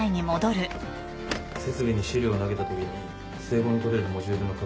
設備に資料投げたときに整合のとれるモジュールの確認